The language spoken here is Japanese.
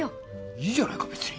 いいじゃないか別に！